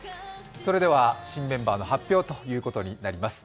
それでは新メンバーの発表となります。